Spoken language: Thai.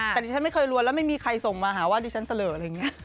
แต่ดิฉันไม่เคยรวนแล้วไม่มีใครส่งมาหาว่าดิฉันเสลออะไรอย่างนี้